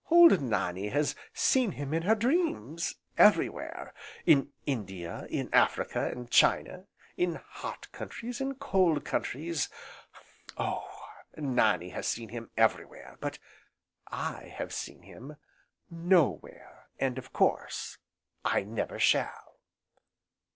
"Old Nannie has seen him in her dreams everywhere, in India, and Africa, and China; in hot countries, and cold countries oh! Nannie has seen him everywhere, but I have seen him nowhere, and, of course, I never shall."